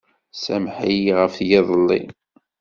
Sameḥ-iyi ɣef yiḍelli.